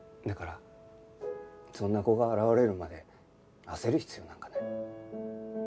だからそんな子が現れるまで焦る必要なんかない。